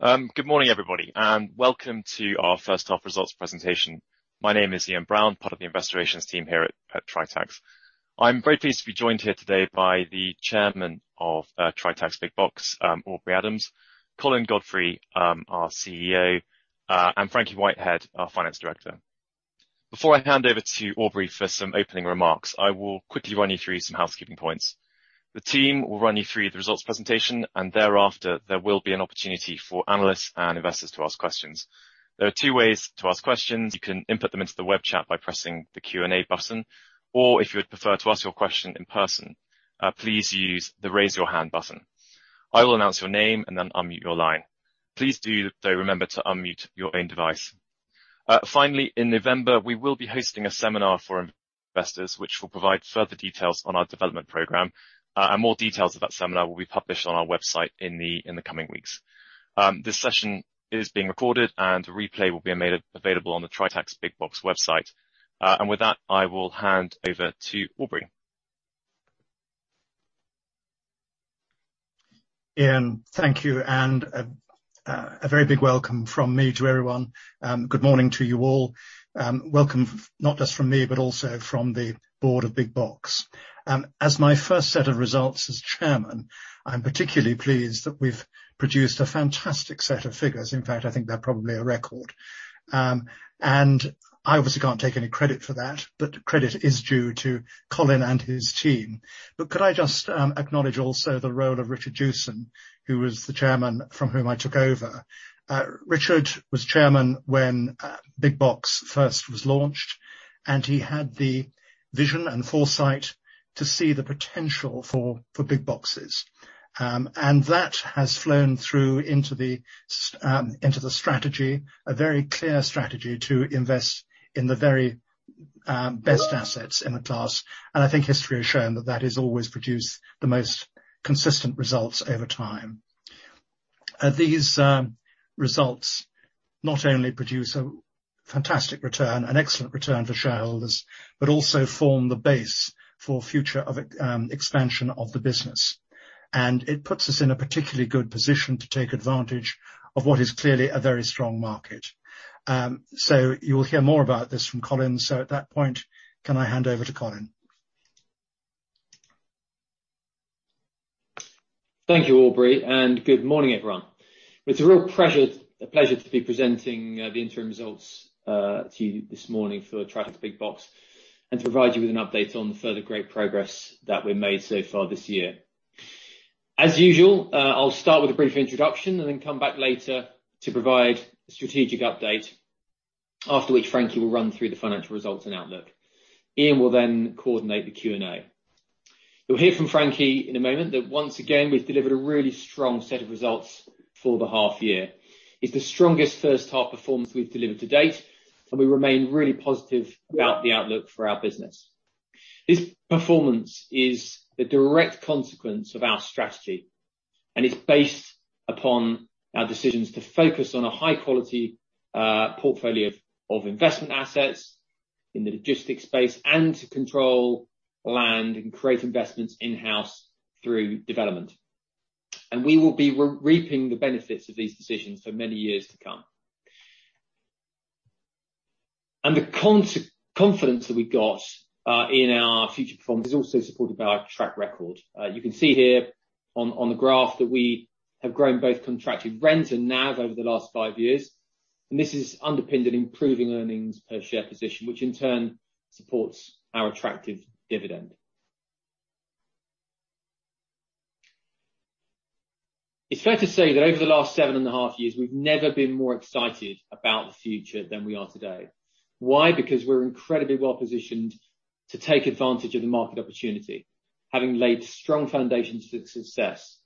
Good morning, everybody, and welcome to our first half results presentation. My name is Ian Brown, part of the Investor Relations team here at Tritax. I'm very pleased to be joined here today by the Chairman of Tritax Big Box, Aubrey Adams, Colin Godfrey, our Chief Executive Officer, and Frankie Whitehead, our Finance Director. Before I hand over to Aubrey for some opening remarks, I will quickly run you through some housekeeping points. The team will run you through the results presentation, and thereafter, there will be an opportunity for analysts and investors to ask questions. There are 2 ways to ask questions. You can input them into the web chat by pressing the Q&A button, or if you would prefer to ask your question in person, please use the Raise Your Hand button. I will announce your name and then unmute your line. Please do, though, remember to unmute your own device. Finally, in November, we will be hosting a seminar for investors which will provide further details on our development program. More details of that seminar will be published on our website in the coming weeks. This session is being recorded and a replay will be made available on the Tritax Big Box website. With that, I will hand over to Aubrey. Ian, thank you, and a very big welcome from me to everyone. Good morning to you all. Welcome not just from me, but also from the Board of Big Box. As my first set of results as Chairman, I'm particularly pleased that we've produced a fantastic set of figures. In fact, I think they're probably a record. I obviously can't take any credit for that, but credit is due to Colin and his team. Could I just acknowledge also the role of Richard Jewson, who was the Chairman from whom I took over. Richard was Chairman when Big Box first was launched, and he had the vision and foresight to see the potential for Big Boxes. That has flown through into the strategy, a very clear strategy to invest in the very best assets in the class. I think history has shown that that has always produced the most consistent results over time. These results not only produce a fantastic return, an excellent return for shareholders, but also form the base for future expansion of the business. It puts us in a particularly good position to take advantage of what is clearly a very strong market. You will hear more about this from Colin. At that point, can I hand over to Colin? Thank you, Aubrey, and good morning everyone? It's a real pleasure to be presenting the interim results to you this morning for Tritax Big Box, and to provide you with an update on the further great progress that we've made so far this year. As usual, I'll start with a brief introduction and then come back later to provide a strategic update, after which Frankie will run through the financial results and outlook. Ian will then coordinate the Q&A. You'll hear from Frankie in a moment that once again, we've delivered a really strong set of results for the half year. It's the strongest first half performance we've delivered to date, and we remain really positive about the outlook for our business. This performance is the direct consequence of our strategy, and it's based upon our decisions to focus on a high-quality portfolio of investment assets in the logistics space and to control land and create investments in-house through development. We will be reaping the benefits of these decisions for many years to come. The confidence that we got in our future performance is also supported by our track record. You can see here on the graph that we have grown both contracted rents and NAV over the last five years, and this is underpinned an improving earnings per share position, which in turn supports our attractive dividend. It's fair to say that over the last seven and a half years, we've never been more excited about the future than we are today. Why? Because we're incredibly well-positioned to take advantage of the market opportunity, having laid strong foundations for success,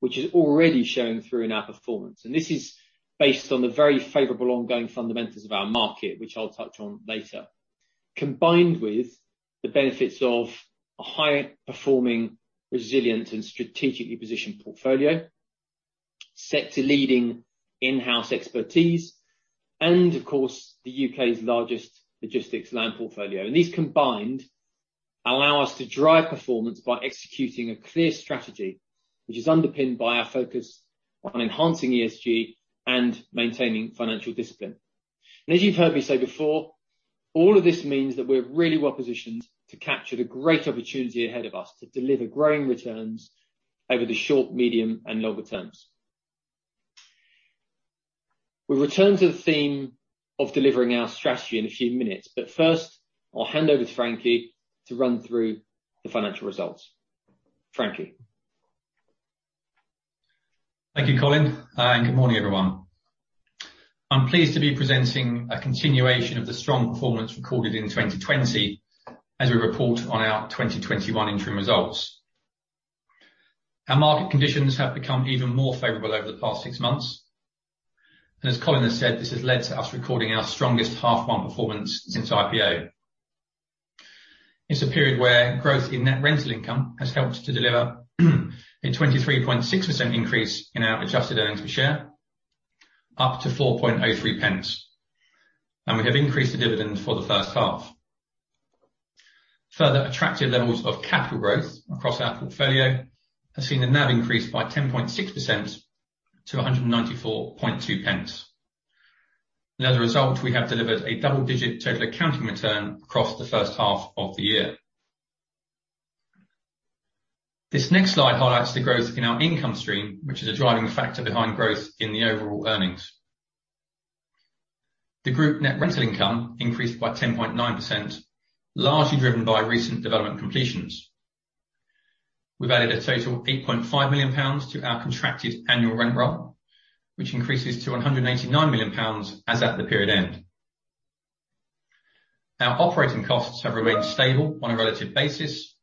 which is already showing through in our performance. This is based on the very favorable ongoing fundamentals of our market, which I'll touch on later. Combined with the benefits of a high-performing, resilient, and strategically positioned portfolio, sector leading in-house expertise, and of course, the U.K.'s largest logistics land portfolio. These combined allow us to drive performance by executing a clear strategy, which is underpinned by our focus on enhancing ESG and maintaining financial discipline. As you've heard me say before, all of this means that we're really well-positioned to capture the great opportunity ahead of us to deliver growing returns over the short, medium, and longer terms. We return to the theme of delivering our strategy in a few minutes, first, I'll hand over to Frankie to run through the financial results. Frankie. Thank you, Colin, and good morning everyone? I'm pleased to be presenting a continuation of the strong performance recorded in 2020 as we report on our 2021 interim results. Our market conditions have become even more favorable over the past six months, and as Colin has said, this has led to us recording our strongest half one performance since IPO. It's a period where growth in net rental income has helped to deliver a 23.6% increase in our adjusted earnings per share, up to 4.03p, and we have increased the dividend for the first half. Further attractive levels of capital growth across our portfolio has seen the NAV increase by 10.6% to 194.2p. As a result, we have delivered a double-digit total accounting return across the first half of the year. This next slide highlights the growth in our income stream, which is a driving factor behind growth in the overall earnings. The group net rental income increased by 10.9%, largely driven by recent development completions. We've added a total of 8.5 million pounds to our contracted annual rent roll, which increases to 189 million pounds as at the period end. Our operating costs have remained stable on a relative basis,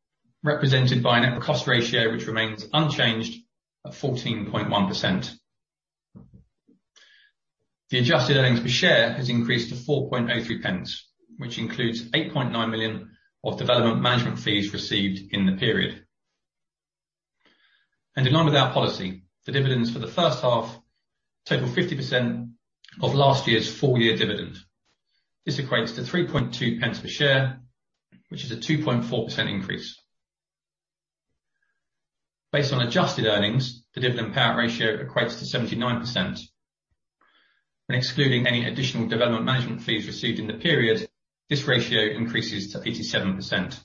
represented by a net cost ratio which remains unchanged at 14.1%. The adjusted earnings per share has increased to 4.03p, which includes 8.9 million of development management fees received in the period. In line with our policy, the dividends for the first half total 50% of last year's full year dividend. This equates to 3.2p per share, which is a 2.4% increase. Based on adjusted earnings, the dividend payout ratio equates to 79%. Excluding any additional development management fees received in the period, this ratio increases to 87%.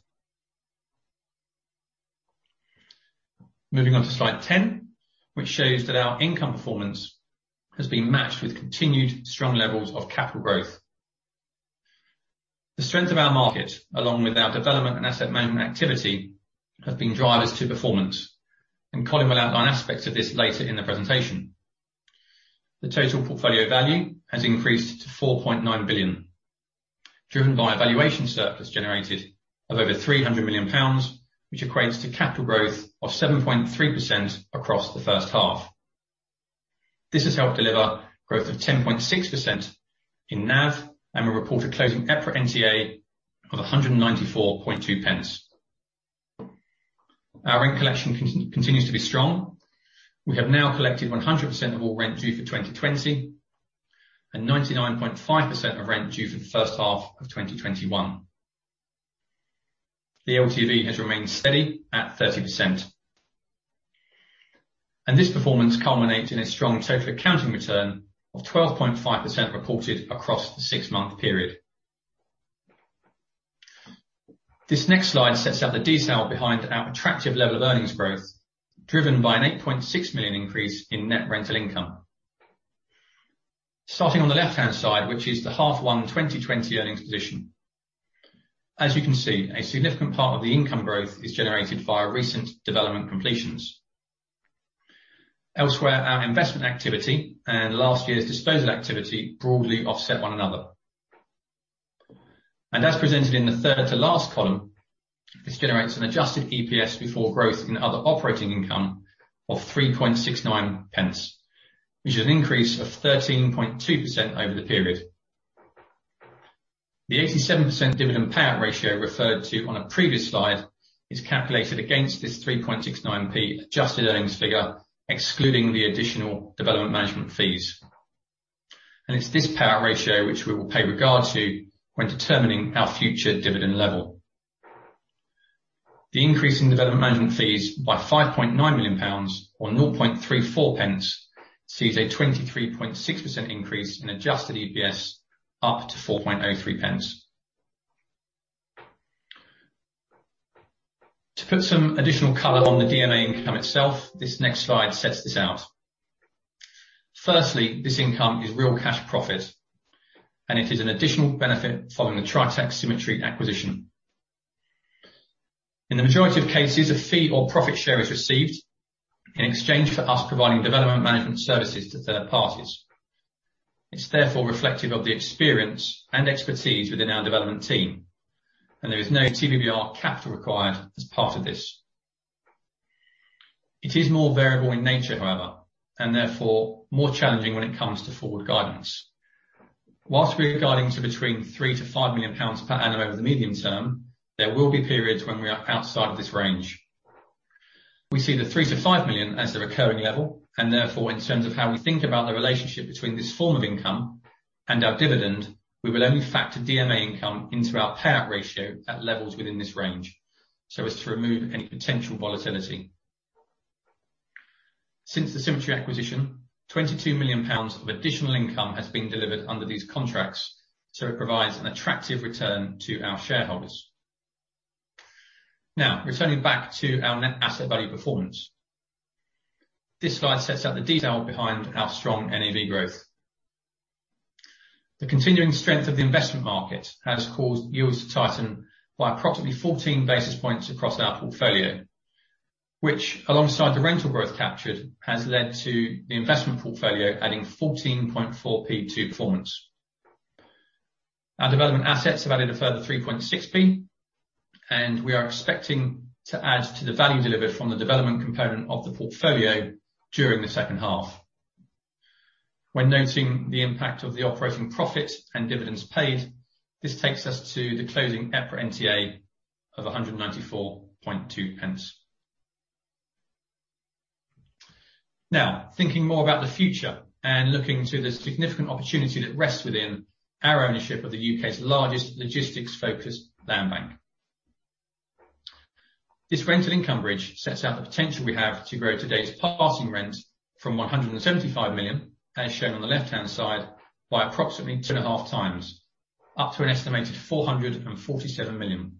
Moving on to slide 10, which shows that our income performance has been matched with continued strong levels of capital growth. The strength of our market, along with our development and asset management activity, have been drivers to performance, and Colin will outline aspects of this later in the presentation. The total portfolio value has increased to 4.9 billion, driven by a valuation surplus generated of over 300 million pounds, which equates to capital growth of 7.3% across the first half. This has helped deliver growth of 10.6% in NAV and a reported closing EPRA NTA of 194.2p. Our rent collection continues to be strong. We have now collected 100% of all rent due for 2020 and 99.5% of rent due for the first half of 2021. The LTV has remained steady at 30%. This performance culminates in a strong total accounting return of 12.5% reported across the six-month period. This next slide sets out the detail behind our attractive level of earnings growth, driven by a 8.6 million increase in net rental income. Starting on the left-hand side, which is the half one 2020 earnings position. As you can see, a significant part of the income growth is generated via recent development completions. Elsewhere, our investment activity and last year's disposal activity broadly offset one another. As presented in the third to last column, this generates an adjusted EPS before growth in other operating income of 3.69p, which is an increase of 13.2% over the period. The 87% dividend payout ratio referred to on a previous slide is calculated against this 3.69p adjusted earnings figure, excluding the additional development management fees. It's this payout ratio which we will pay regard to when determining our future dividend level. The increase in development management fees by 5.9 million pounds or 03.4p sees a 23.6% increase in adjusted EPS up to 4.03. To put some additional color on the DMA income itself, this next slide sets this out. Firstly, this income is real cash profit, and it is an additional benefit following the Tritax Symmetry acquisition. In the majority of cases, a fee or profit share is received in exchange for us providing development management services to third parties. It's therefore reflective of the experience and expertise within our development team, and there is no TBBR capital required as part of this. It is more variable in nature, however, and therefore more challenging when it comes to forward guidance. Whilst we are guiding to between 3 million to 5 million pounds per annum over the medium term, there will be periods when we are outside of this range. We see the 3 million to 5 million as the recurring level, and therefore, in terms of how we think about the relationship between this form of income and our dividend, we will only factor DMA income into our payout ratio at levels within this range, so as to remove any potential volatility. Since the Symmetry acquisition, 22 million pounds of additional income has been delivered under these contracts, so it provides an attractive return to our shareholders. Returning back to our net asset value performance. This slide sets out the detail behind our strong NAV growth. The continuing strength of the investment market has caused yields to tighten by approximately 14 basis points across our portfolio, which alongside the rental growth captured, has led to the investment portfolio adding 14.4p To performance. Our development assets have added a further 3.6p. We are expecting to add to the value delivered from the development component of the portfolio during the second half. When noting the impact of the operating profit and dividends paid, this takes us to the closing EPRA NTA of GBP 194.2p. Thinking more about the future and looking to the significant opportunity that rests within our ownership of the U.K.'s largest logistics-focused land bank. This rental income bridge sets out the potential we have to grow today's passing rent from 175 million, as shown on the left-hand side, by approximately two and a half times up to an estimated 447 million.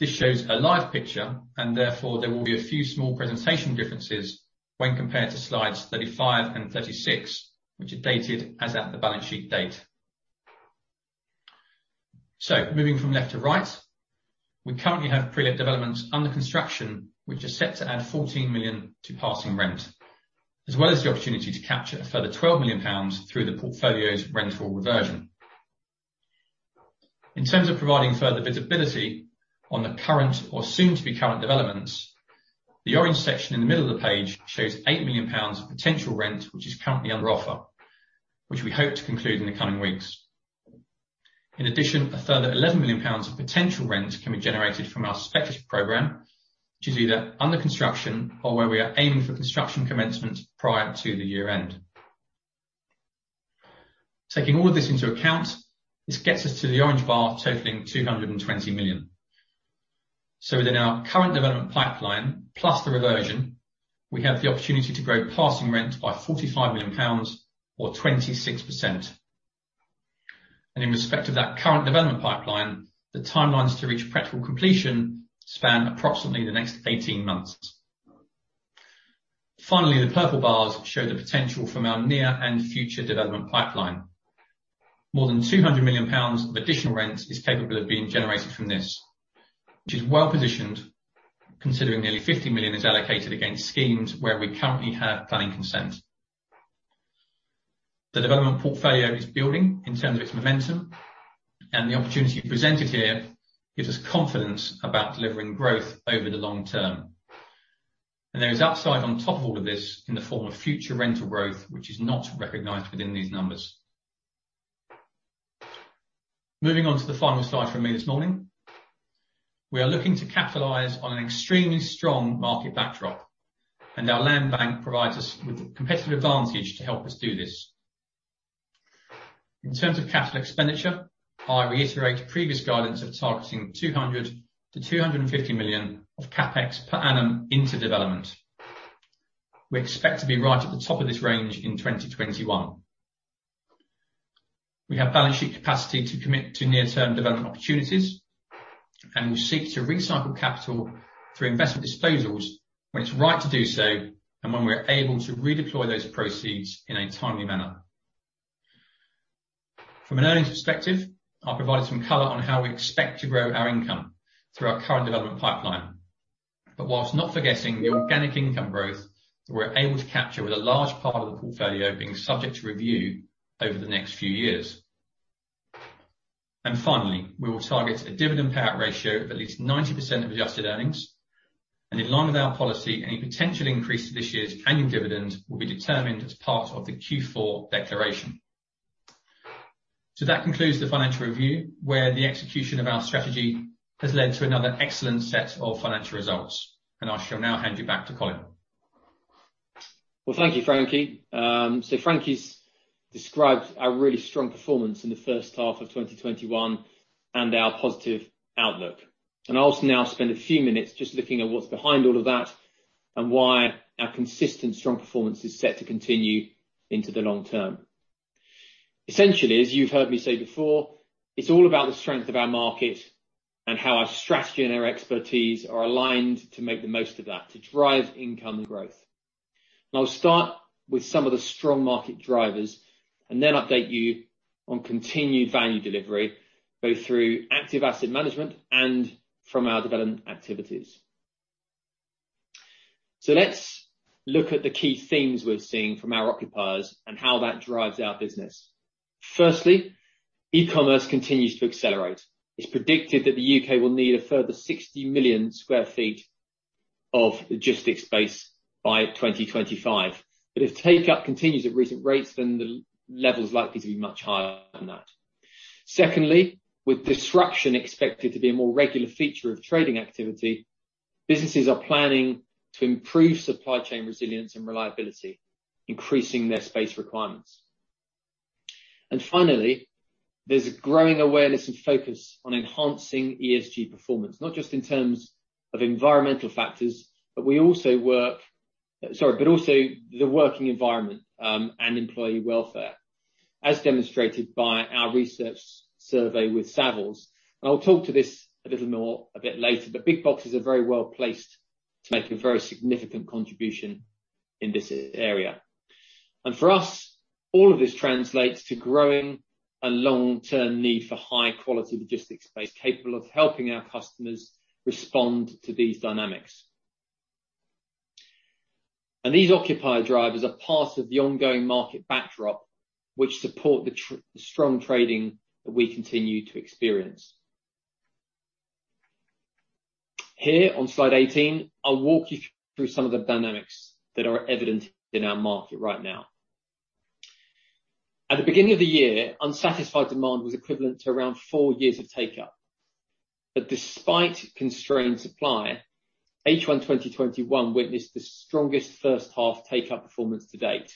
This shows a live picture, therefore, there will be a few small presentation differences when compared to slides 35 and 36, which are dated as at the balance sheet date. Moving from left to right, we currently have pre-let developments under construction which are set to add 14 million to passing rent, as well as the opportunity to capture a further 12 million pounds through the portfolio's rental reversion. In terms of providing further visibility on the current or soon-to-be current developments, the orange section in the middle of the page shows 8 million pounds of potential rent, which is currently under offer, which we hope to conclude in the coming weeks. In addition, a further 11 million pounds of potential rent can be generated from our speculative program, which is either under construction or where we are aiming for construction commencement prior to the year-end. Taking all of this into account, this gets us to the orange bar totaling 220 million. Within our current development pipeline, plus the reversion, we have the opportunity to grow passing rent by 45 million pounds or 26%. In respect of that current development pipeline, the timelines to reach practical completion span approximately the next 18 months. Finally, the purple bars show the potential from our near and future development pipeline. More than 200 million pounds of additional rent is capable of being generated from this, which is well-positioned, considering nearly 50 million is allocated against schemes where we currently have planning consent. The development portfolio is building in terms of its momentum, and the opportunity presented here gives us confidence about delivering growth over the long term. There is upside on top of all of this in the form of future rental growth, which is not recognized within these numbers. Moving on to the final slide from me this morning. We are looking to capitalize on an extremely strong market backdrop, and our land bank provides us with a competitive advantage to help us do this. In terms of capital expenditure, I reiterate previous guidance of targeting 200 million-250 million of CapEx per annum into development. We expect to be right at the top of this range in 2021. We have balance sheet capacity to commit to near-term development opportunities, and we seek to recycle capital through investment disposals when it's right to do so and when we're able to redeploy those proceeds in a timely manner. From an earnings perspective, I provided some color on how we expect to grow our income through our current development pipeline. While not forgetting the organic income growth, we're able to capture with a large part of the portfolio being subject to review over the next few years. Finally, we will target a dividend payout ratio of at least 90% of adjusted earnings. In line with our policy, any potential increase to this year's annual dividend will be determined as part of the Q4 declaration. That concludes the financial review, where the execution of our strategy has led to another excellent set of financial results, and I shall now hand you back to Colin. Well, thank you, Frankie. Frankie's described our really strong performance in the first half of 2021 and our positive outlook. I'll also now spend a few minutes just looking at what's behind all of that and why our consistent strong performance is set to continue into the long term. Essentially, as you've heard me say before, it's all about the strength of our market and how our strategy and our expertise are aligned to make the most of that to drive income growth. I'll start with some of the strong market drivers and then update you on continued value delivery, both through active asset management and from our development activities. Let's look at the key themes we're seeing from our occupiers and how that drives our business. Firstly, E-commerce continues to accelerate. It's predicted that the U.K. will need a further 60 million sq ft of logistics space by 2025. If take-up continues at recent rates, then the level is likely to be much higher than that. Secondly, with disruption expected to be a more regular feature of trading activity, businesses are planning to improve supply chain resilience and reliability, increasing their space requirements. Finally, there's a growing awareness and focus on enhancing ESG performance, not just in terms of environmental factors, but also the working environment and employee welfare, as demonstrated by our research survey with Savills. I'll talk to this a little more a bit later, but Big Box is very well-placed to make a very significant contribution in this area. For us, all of this translates to growing a long-term need for high-quality logistics space capable of helping our customers respond to these dynamics. These occupier drivers are part of the ongoing market backdrop which support the strong trading that we continue to experience. Here on slide 18, I'll walk you through some of the dynamics that are evident in our market right now. At the beginning of the year, unsatisfied demand was equivalent to around four years of take-up. Despite constrained supply, H1 2021 witnessed the strongest first-half take-up performance to date.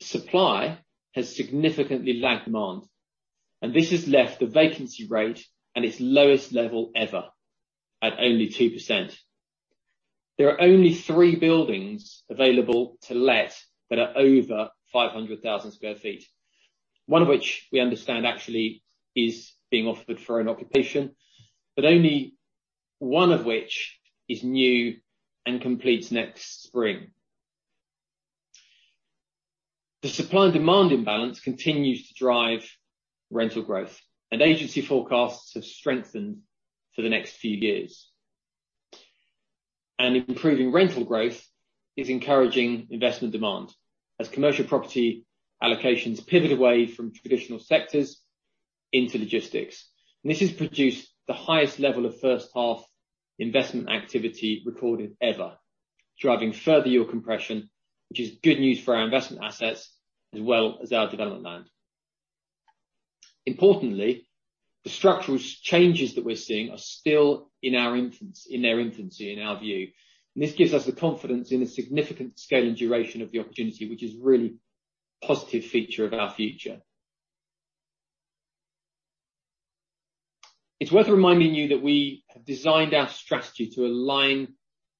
Supply has significantly lagged demand, and this has left the vacancy rate at its lowest level ever, at only 2%. There are only three buildings available to let that are over 500,000 sq ft. One of which we understand actually is being offered for an occupation, but only one of which is new and completes next spring. The supply and demand imbalance continues to drive rental growth, agency forecasts have strengthened for the next few years. Improving rental growth is encouraging investment demand as commercial property allocations pivot away from traditional sectors into logistics. This has produced the highest level of first-half investment activity recorded ever, driving further yield compression, which is good news for our investment assets as well as our development land. Importantly, the structural changes that we're seeing are still in their infancy in our view. This gives us the confidence in the significant scale and duration of the opportunity, which is really a positive feature of our future. It's worth reminding you that we have designed our strategy to align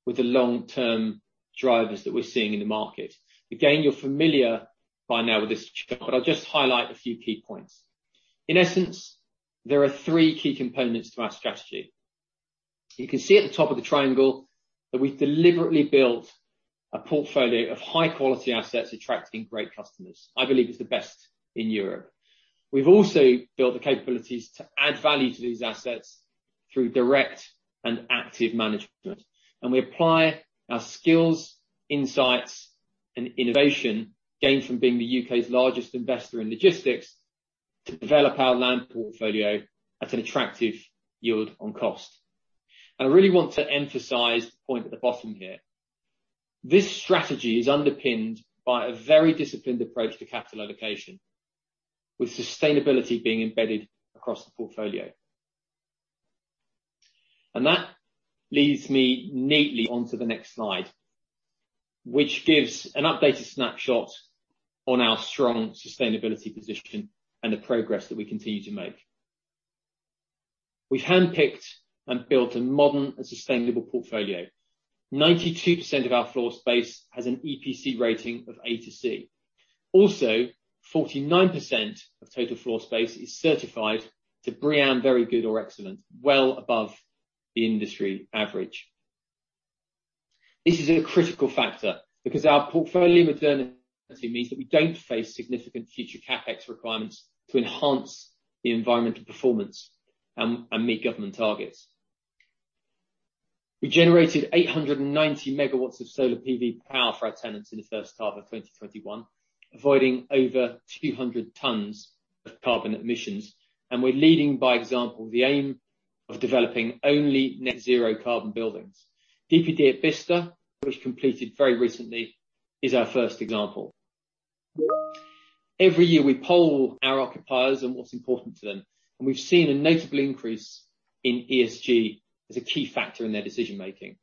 with the long-term drivers that we're seeing in the market. Again, you're familiar by now with this chart, but I'll just highlight a few key points. In essence, there are three key components to our strategy. You can see at the top of the triangle that we've deliberately built a portfolio of high-quality assets attracting great customers. I believe it's the best in Europe. We've also built the capabilities to add value to these assets through direct and active management. We apply our skills, insights, and innovation gained from being the U.K.'s largest investor in logistics to develop our land portfolio at an attractive yield on cost. I really want to emphasize the point at the bottom here. This strategy is underpinned by a very disciplined approach to capital allocation, with sustainability being embedded across the portfolio. That leads me neatly onto the next slide, which gives an updated snapshot on our strong sustainability position and the progress that we continue to make. We've handpicked and built a modern and sustainable portfolio. 92% of our floor space has an EPC rating of A to C. Also, 49% of total floor space is certified to BREEAM very good or excellent, well above the industry average. This is a critical factor because our portfolio means that we don't face significant future CapEx requirements to enhance the environmental performance and meet government targets. We generated 890 MW of solar PV power for our tenants in the first half of 2021, avoiding over 200 tons of carbon emissions. We're leading by example the aim of developing only net zero carbon buildings. DPD at Bicester, which completed very recently, is our first example. Every year, we poll our occupiers on what's important to them. We've seen a notable increase in ESG as a key factor in their decision-making,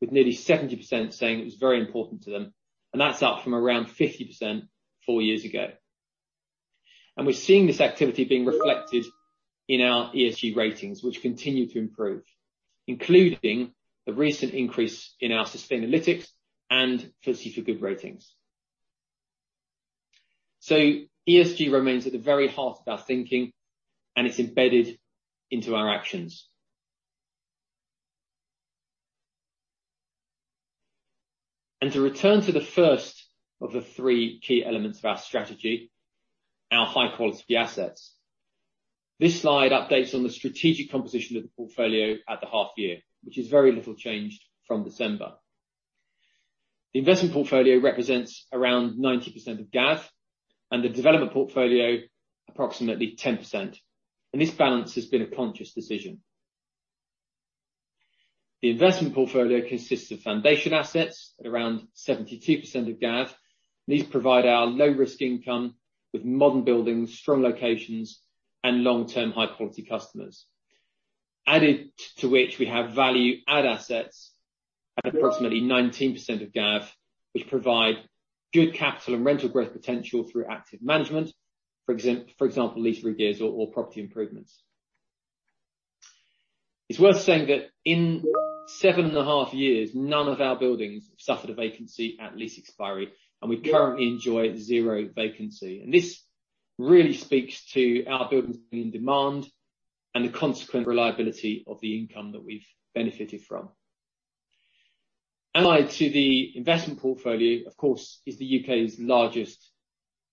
with nearly 70% saying it was very important to them. That's up from around 50% 4 years ago. We're seeing this activity being reflected in our ESG ratings, which continue to improve, including the recent increase in our Sustainalytics and FTSE4Good ratings. ESG remains at the very heart of our thinking, it's embedded into our actions. To return to the first of the three key elements of our strategy, our high-quality assets. This slide updates on the strategic composition of the portfolio at the half year, which is very little changed from December. The investment portfolio represents around 90% of GAV and the development portfolio approximately 10%, and this balance has been a conscious decision. The investment portfolio consists of foundation assets at around 72% of GAV. These provide our low-risk income with modern buildings, strong locations, and long-term high-quality customers. Added to which we have value add assets at approximately 19% of GAV, which provide good capital and rental growth potential through active management. For example, lease regears or property improvements. It's worth saying that in seven and a half years, none of our buildings have suffered a vacancy at lease expiry, and we currently enjoy zero vacancy. This really speaks to our buildings being in demand and the consequent reliability of the income that we've benefited from. Allied to the investment portfolio, of course, is the U.K.'s largest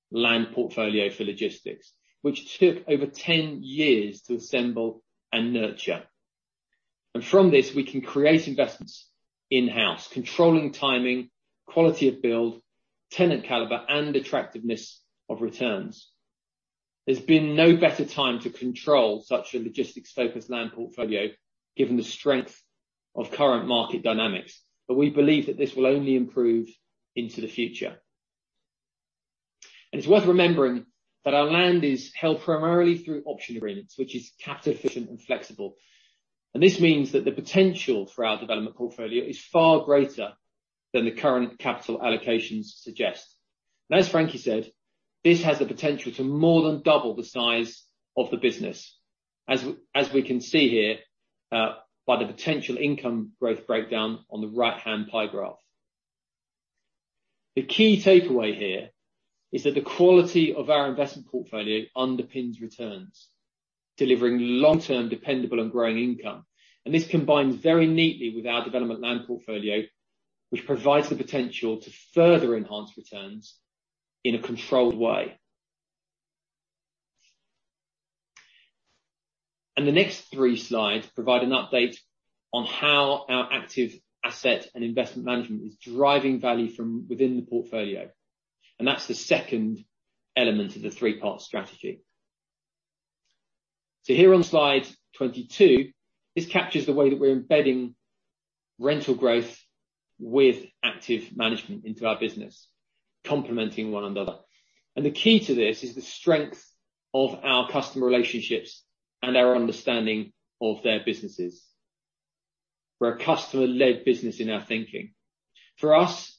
land portfolio for logistics, which took over years to assemble and nurture. From this, we can create investments in-house, controlling timing, quality of build, tenant caliber, and attractiveness of returns. There's been no better time to control such a logistics-focused land portfolio given the strength of current market dynamics. We believe that this will only improve into the future. It's worth remembering that our land is held primarily through option agreements, which is capital efficient and flexible. This means that the potential for our development portfolio is far greater than the current capital allocations suggest. As Frankie said, this has the potential to more than double the size of the business, as we can see here, by the potential income growth breakdown on the right-hand pie graph. The key takeaway here is that the quality of our investment portfolio underpins returns, delivering long-term dependable and growing income. This combines very neatly with our development land portfolio, which provides the potential to further enhance returns in a controlled way. The next three slides provide an update on how our active asset and investment management is driving value from within the portfolio, and that's the second element of the three-part strategy. Here on slide 22, this captures the way that we're embedding rental growth with active management into our business, complementing one another. The key to this is the strength of our customer relationships and our understanding of their businesses. We're a customer-led business in our thinking. For us,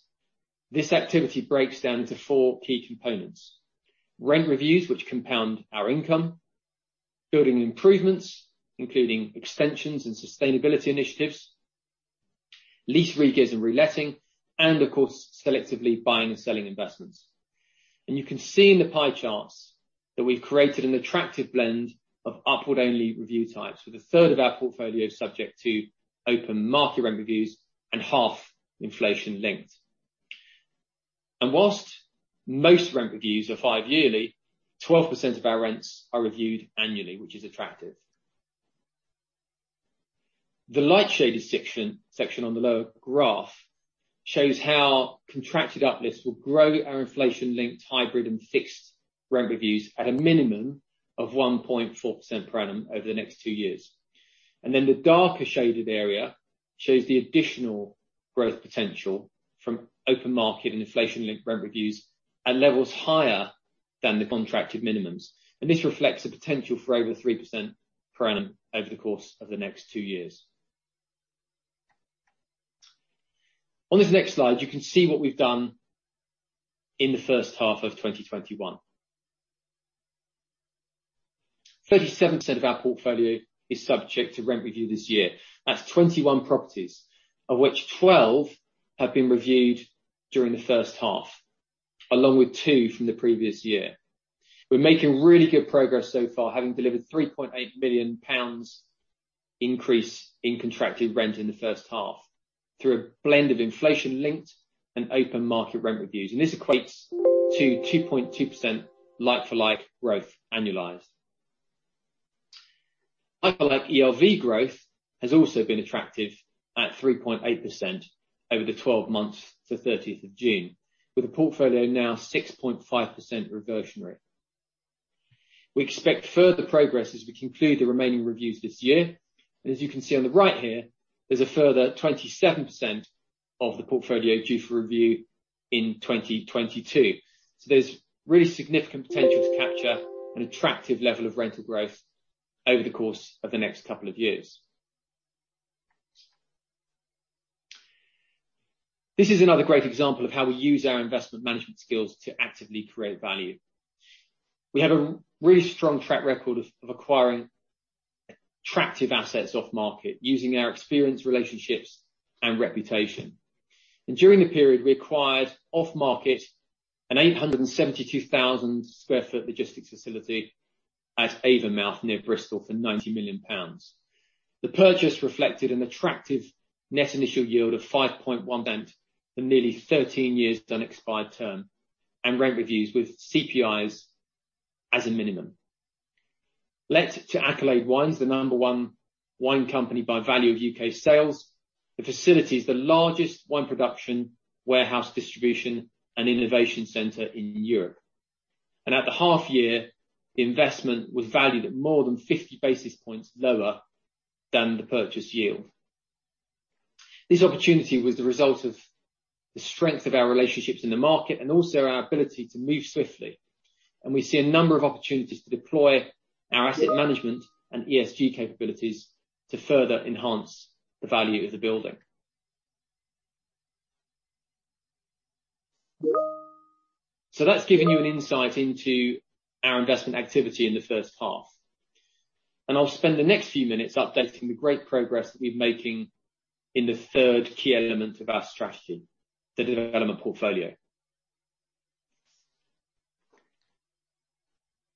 this activity breaks down into four key components. Rent reviews, which compound our income, building improvements, including extensions and sustainability initiatives, lease regears and reletting, and of course, selectively buying and selling investments. You can see in the pie charts that we've created an attractive blend of upward-only review types, with a third of our portfolio subject to open market rent reviews and half inflation-linked. Whilst most rent reviews are five yearly, 12% of our rents are reviewed annually, which is attractive. The light shaded section on the lower graph shows how contracted uplifts will grow our inflation-linked hybrid and fixed rent reviews at a minimum of 1.4% per annum over the next two years. The darker shaded area shows the additional growth potential from open market and inflation-linked rent reviews at levels higher than the contracted minimums. This reflects the potential for over 3% per annum over the course of the next two years. On this next slide, you can see what we've done in the first half of 2021. 37% of our portfolio is subject to rent review this year. That's 21 properties, of which 12 have been reviewed during the first half, along with two from the previous year. We're making really good progress so far, having delivered 3.8 million pounds increase in contracted rent in the first half through a blend of inflation-linked and open market rent reviews. This equates to 2.2% like-for-like growth annualized. Like-for-like ERV growth has also been attractive at 3.8% over the 12 months to June 30, with the portfolio now 6.5% reversionary. We expect further progress as we conclude the remaining reviews this year. As you can see on the right here, there's a further 27% of the portfolio due for review in 2022. There's really significant potential to capture an attractive level of rental growth over the course of the next couple of years. This is another great example of how we use our investment management skills to actively create value. We have a really strong track record of acquiring attractive assets off-market, using our experience, relationships, and reputation. During the period, we acquired off-market an 872,000 sq ft logistics facility at Avonmouth, near Bristol, for 90 million pounds. The purchase reflected an attractive net initial yield of 5.1% for nearly 13 years' done expired term and rent reviews with CPIs as a minimum. Let to Accolade Wines, the number one wine company by value of U.K. sales, the facility is the largest wine production, warehouse distribution, and innovation center in Europe. At the half year, the investment was valued at more than 50 basis points lower than the purchase yield. This opportunity was the result of the strength of our relationships in the market and also our ability to move swiftly, and we see a number of opportunities to deploy our asset management and ESG capabilities to further enhance the value of the building. That's given you an insight into our investment activity in the first half. I'll spend the next few minutes updating the great progress that we're making in the third key element of our strategy, the development portfolio.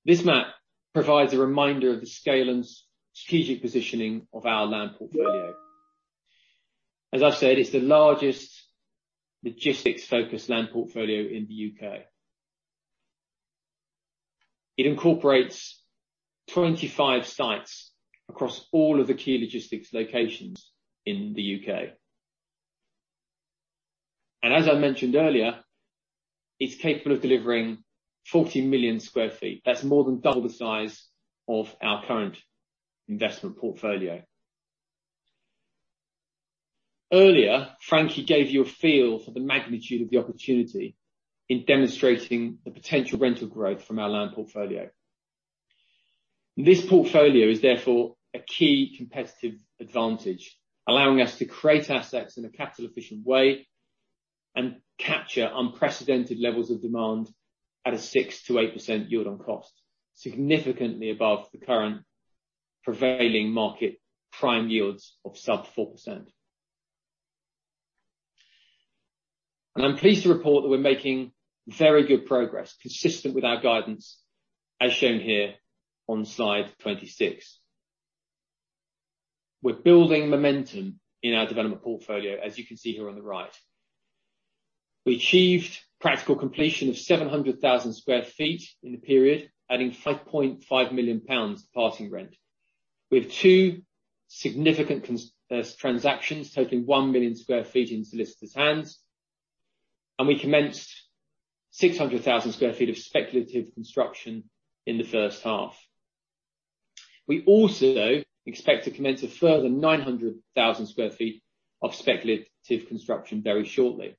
This map provides a reminder of the scale and strategic positioning of our land portfolio. As I've said, it's the largest logistics-focused land portfolio in the U.K. It incorporates 25 sites across all of the key logistics locations in the U.K. As I mentioned earlier, it's capable of delivering 40 million square feet. That's more than double the size of our current investment portfolio. Earlier, Frankie gave you a feel for the magnitude of the opportunity in demonstrating the potential rental growth from our land portfolio. This portfolio is therefore a key competitive advantage, allowing us to create assets in a capital-efficient way and capture unprecedented levels of demand at a 6%-8% yield on cost, significantly above the current prevailing market prime yields of sub 4%. I'm pleased to report that we're making very good progress, consistent with our guidance, as shown here on slide 26. We're building momentum in our development portfolio, as you can see here on the right. We achieved practical completion of 700,000 sq ft in the period, adding 5.5 million pounds passing rent. We have two significant transactions totaling 1 million sq ft in solicitor's hands. We commenced 600,000 sq ft of speculative construction in the first half. We also expect to commence a further 900,000 sq ft of speculative construction very shortly.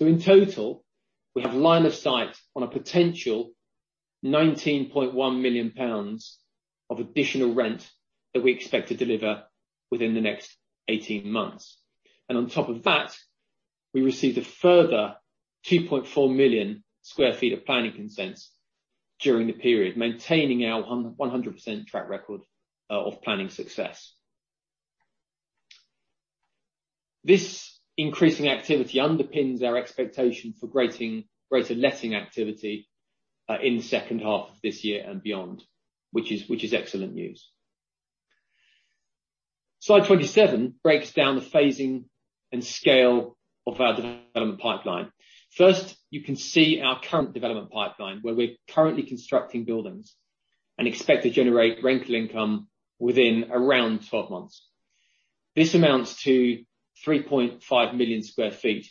In total, we have line of sight on a potential 19.1 million pounds of additional rent that we expect to deliver within the next 18 months. On top of that, we received a further 2.4 million sq ft of planning consents during the period, maintaining our 100% track record of planning success. This increasing activity underpins our expectation for greater letting activity in the second half of this year and beyond, which is excellent news. Slide 27 breaks down the phasing and scale of our development pipeline. You can see our current development pipeline, where we're currently constructing buildings and expect to generate rental income within around 12 months. This amounts to 3.5 million sq ft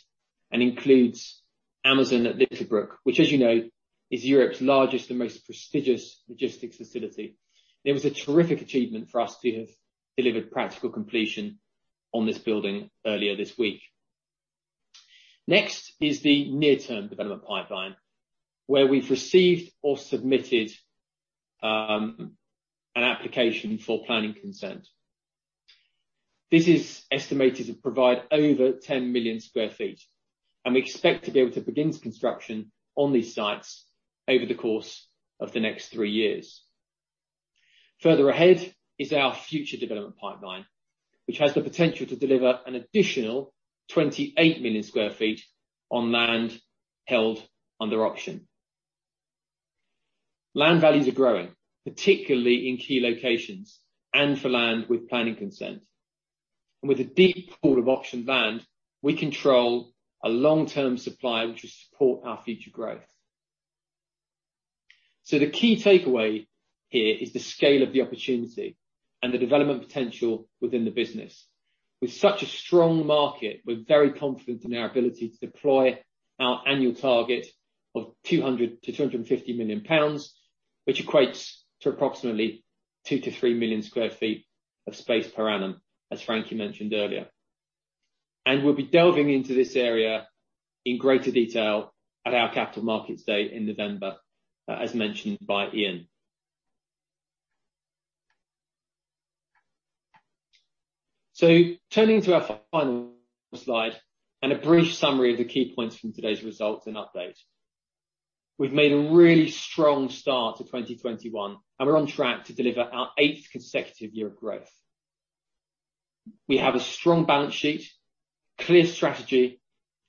and includes Amazon at Littlebrook, which, as you know, is Europe's largest and most prestigious logistics facility. It was a terrific achievement for us to have delivered practical completion on this building earlier this week. Is the near-term development pipeline, where we've received or submitted an application for planning consent. This is estimated to provide over 10 million sq ft, we expect to be able to begin construction on these sites over the course of the next three years. Further ahead is our future development pipeline, which has the potential to deliver an additional 28 million sq ft on land held under option. Land values are growing, particularly in key locations and for land with planning consent. With a deep pool of optioned land, we control a long-term supply, which will support our future growth. The key takeaway here is the scale of the opportunity and the development potential within the business. With such a strong market, we're very confident in our ability to deploy our annual target of 200 million-250 million pounds, which equates to approximately 2 million sq ft-3 million sq ft of space per annum, as Frankie mentioned earlier. We'll be delving into this area in greater detail at our capital markets day in November, as mentioned by Ian. Turning to our final slide and a brief summary of the key points from today's results and update. We've made a really strong start to 2021, and we're on track to deliver our 8th consecutive year of growth. We have a strong balance sheet, clear strategy,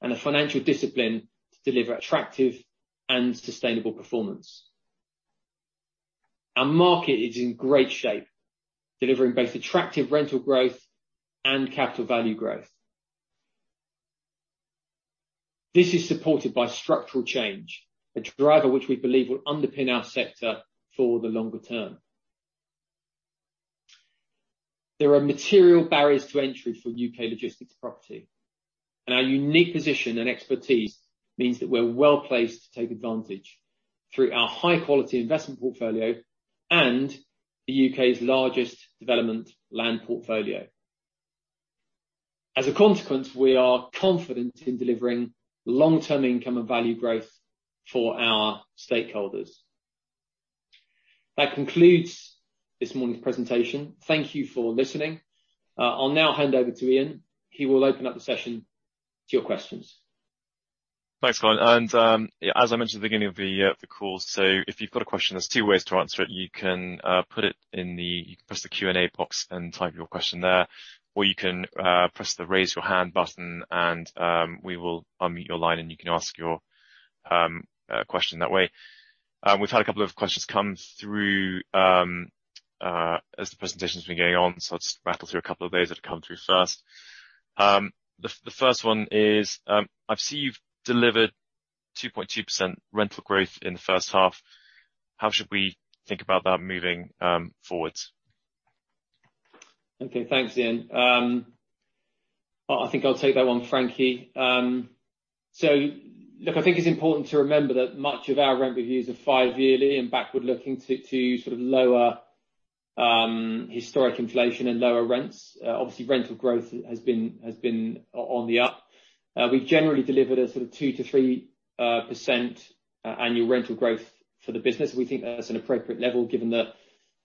and a financial discipline to deliver attractive and sustainable performance. Our market is in great shape, delivering both attractive rental growth and capital value growth. This is supported by structural change, a driver which we believe will underpin our sector for the longer term. There are material barriers to entry for U.K. logistics property. Our unique position and expertise means that we're well-placed to take advantage through our high-quality investment portfolio and the U.K.'s largest development land portfolio. As a consequence, we are confident in delivering long-term income and value growth for our stakeholders. That concludes this morning's presentation. Thank you for listening. I'll now hand over to Ian. He will open up the session to your questions. Thanks, Colin. As I mentioned at the beginning of the call, if you've got a question, there's two ways to answer it. You can press the Q&A box and type your question there, or you can press the Raise Your Hand button, and we will unmute your line, and you can ask your question that way. We've had a couple of questions come through as the presentation's been going on. I'll just rattle through a couple of those that have come through first. The first one is, I see you've delivered 2.2% rental growth in the first half. How should we think about that moving forwards? Okay, thanks, Ian. I think I'll take that one, Frankie. Look, I think it's important to remember that much of our rent reviews are five yearly and backward-looking to lower historic inflation and lower rents. Obviously, rental growth has been on the up. We've generally delivered a sort of 2% to 3% annual rental growth for the business. We think that's an appropriate level given the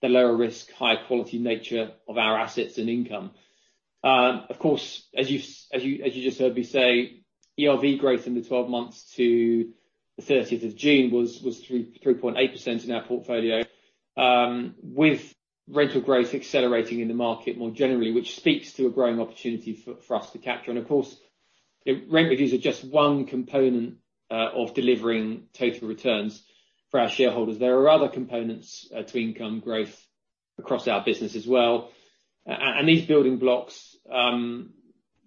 lower risk, higher quality nature of our assets and income. Of course, as you just heard me say, ERV growth in the 12 months to the 30th of June was 3.8% in our portfolio, with rental growth accelerating in the market more generally, which speaks to a growing opportunity for us to capture. Of course, rent reviews are just one component of delivering total returns for our shareholders. There are other components to income growth across our business as well. These building blocks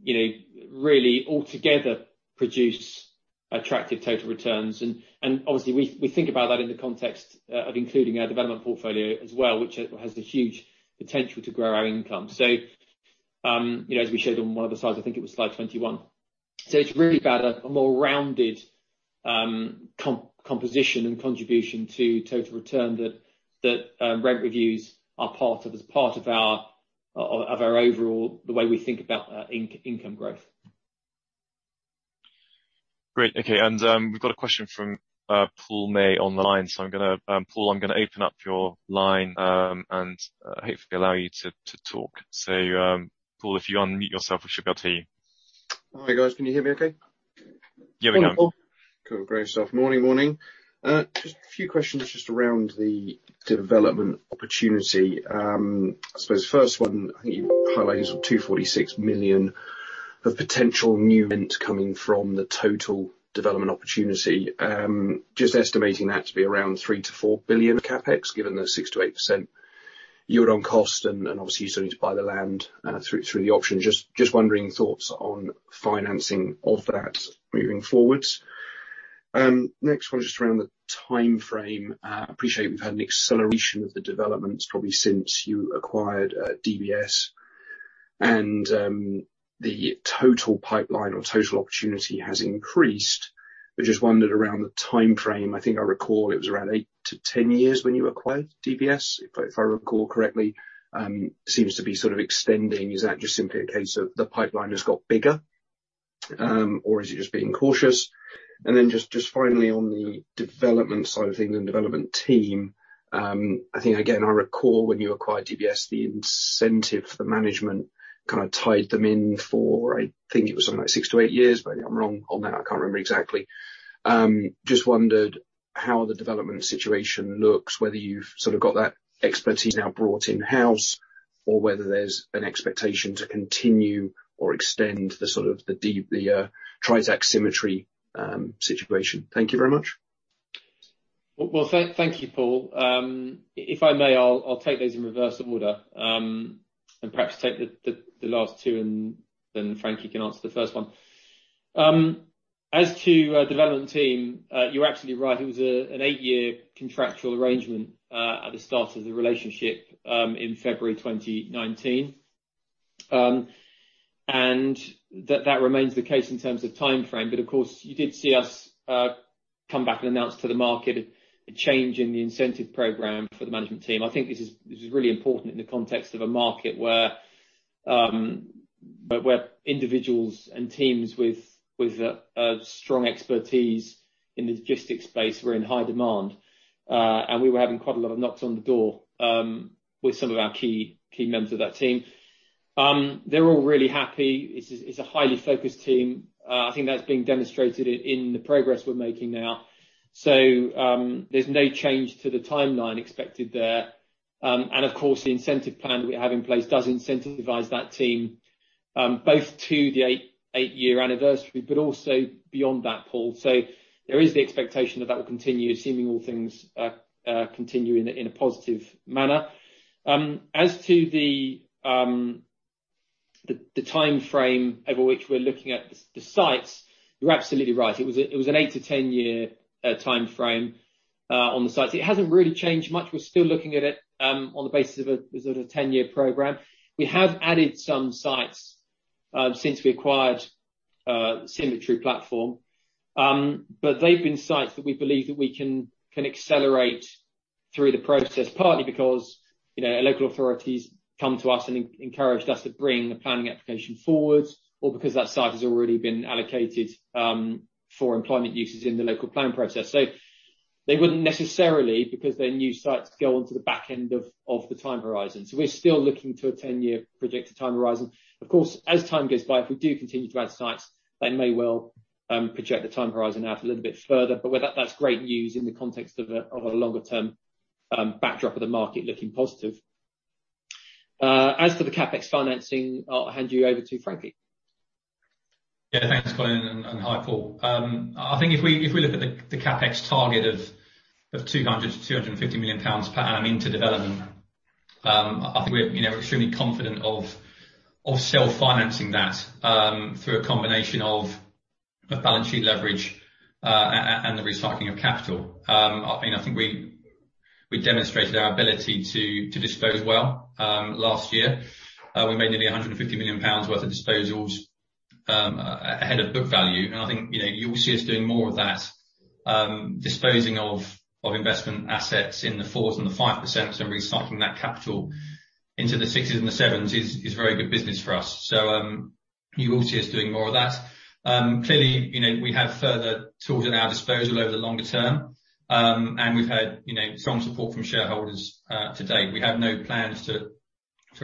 really altogether produce attractive total returns. Obviously, we think about that in the context of including our development portfolio as well, which has the huge potential to grow our income. As we showed on one of the slides, I think it was slide 21. It's really about a more rounded composition and contribution to total return that rent reviews are part of as part of our overall, the way we think about income growth. Great. Okay. We've got a question from Paul May on the line. Paul, I'm gonna open up your line, and hopefully allow you to talk. Paul, if you unmute yourself, we should be able to hear you. Hi, guys. Can you hear me okay? Yeah, we can. Morning, Paul? Cool. Great stuff. Morning, morning. Just a few questions just around the development opportunity. I suppose the first one, I think you highlighted some 246 million of potential new rent coming from the total development opportunity. Just estimating that to be around 3 billion-4 billion of CapEx, given the 6%-8% year on cost, and obviously, you still need to buy the land through the option. Just wondering your thoughts on financing of that moving forward. Next one, just around the timeframe. I appreciate we've had an acceleration of the developments probably since you acquired, and the total pipeline or total opportunity has increased. I just wondered around the timeframe. I think I recall it was around 8-10 years when you acquired DBS, if I recall correctly. Seems to be sort of extending. Is that just simply a case of the pipeline has got bigger? Or is it just being cautious? Then just finally, on the development side of things and development team, I think, again, I recall when you acquired DBS, the incentive for management kind of tied them in for, I think it was something like six to eight years, but I'm wrong on that. I can't remember exactly. Just wondered how the development situation looks, whether you've sort of got that expertise now brought in-house or whether there's an expectation to continue or extend the sort of the Tritax Symmetry situation. Thank you very much. Well, thank you, Paul. If I may, I'll take those in reverse order, and perhaps take the last two, and then Frankie can answer the first one. As to development team, you're absolutely right. It was an 8-year contractual arrangement at the start of the relationship in February 2019. That remains the case in terms of timeframe. Of course, you did see us come back and announce to the market a change in the incentive program for the management team. I think this is really important in the context of a market where individuals and teams with strong expertise in the logistics space were in high demand. We were having quite a lot of knocks on the door with some of our key members of that team. They're all really happy. It's a highly focused team. I think that's been demonstrated in the progress we're making now. There's no change to the timeline expected there. The incentive plan that we have in place does incentivize that team, both to the eight-year anniversary, but also beyond that, Paul. There is the expectation that will continue, assuming all things continue in a positive manner. As to the timeframe over which we're looking at the sites, you're absolutely right. It was an 8 to 10 year timeframe on the sites. It hasn't really changed much. We're still looking at it on the basis of a sort of 10-year program. We have added some sites since we acquired Symmetry Platform, they've been sites that we believe that we can accelerate through the process, partly because local authorities come to us and encouraged us to bring the planning application forward or because that site has already been allocated for employment uses in the local planning process. They wouldn't necessarily, because they're new sites, go onto the back end of the time horizon. We're still looking to a 10-year projected time horizon. Of course, as time goes by, if we do continue to add sites, that may well project the time horizon out a little bit further. That's great news in the context of a longer term backdrop of the market looking positive. As for the CapEx financing, I'll hand you over to Frankie. Yeah. Thanks, Colin, and hi, Paul. I think if we look at the CapEx target of 200 million-250 million pounds per annum into development, I think we're extremely confident of self-financing that through a combination of the balance sheet leverage and the recycling of capital. I think we demonstrated our ability to dispose well last year. We made nearly 150 million pounds worth of disposals ahead of book value. I think you will see us doing more of that. Disposing of investment assets in the 4% and 5% and recycling that capital into the 60s% and the 70s% is very good business for us. You will see us doing more of that. Clearly, we have further tools at our disposal over the longer term. We've had strong support from shareholders to date. We have no plans to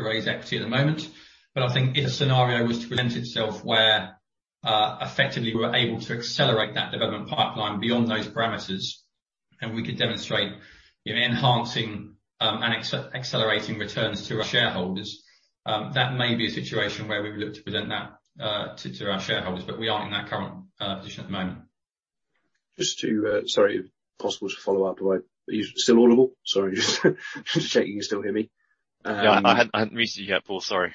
raise equity at the moment. I think if a scenario was to present itself where, effectively we were able to accelerate that development pipeline beyond those parameters, and we could demonstrate enhancing, and accelerating returns to our shareholders, that may be a situation where we would look to present that to our shareholders. We aren't in that current position at the moment. Just to, sorry, if possible to follow up. Are you still audible? Sorry, just checking you can still hear me. Yeah, I hadn't muted you yet, Paul, sorry.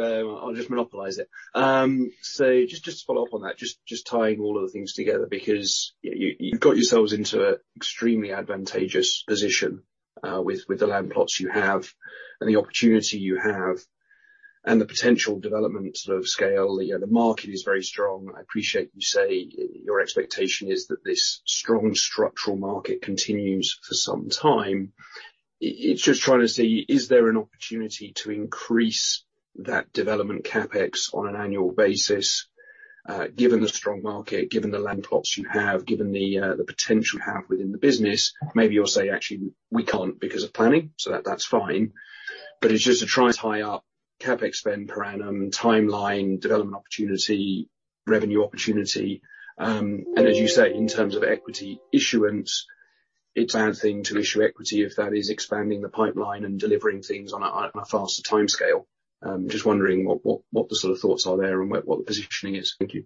I'll just monopolize it. Just to follow up on that, just tying all of the things together, because you've got yourselves into a extremely advantageous position, with the land plots you have and the opportunity you have and the potential development sort of scale. The market is very strong. I appreciate you say your expectation is that this strong structural market continues for some time. It's just trying to see, is there an opportunity to increase that development CapEx on an annual basis, given the strong market, given the land plots you have, given the potential you have within the business? Maybe you'll say, actually, we can't because of planning, so that's fine. It's just to try tie up CapEx spend per annum, timeline, development opportunity, revenue opportunity. As you say, in terms of equity issuance, it's our thing to issue equity if that is expanding the pipeline and delivering things on a faster timescale. Just wondering what the sort of thoughts are there and what the positioning is? Thank you.